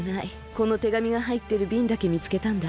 このてがみがはいってるびんだけみつけたんだ。